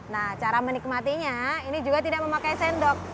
nah cara menikmatinya ini juga tidak memakai sendok